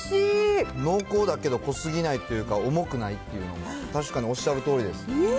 濃厚だけど濃すぎないっていうか、重くないっていうのが、確かにおっしゃるとおりです。